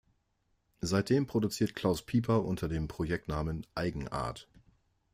Seitdem produziert Claus Pieper unter dem Projektnamen "Eigenart".